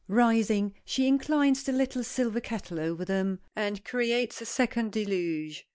Rising, she inclines the little silver kettle over them, and creates a second deluge.